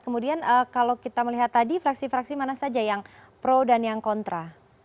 kemudian kalau kita melihat tadi fraksi fraksi mana saja yang pro dan yang kontra